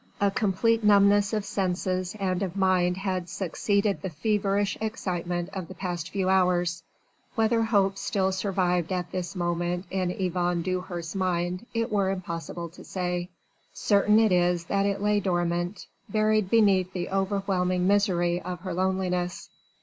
A complete numbness of senses and of mind had succeeded the feverish excitement of the past few hours: whether hope still survived at this moment in Yvonne Dewhurst's mind it were impossible to say. Certain it is that it lay dormant buried beneath the overwhelming misery of her loneliness.